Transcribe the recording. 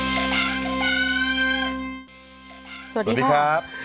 สวัสดีครับ